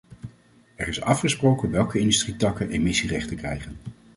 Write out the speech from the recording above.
Er is afgesproken welke industrietakken emissierechten krijgen.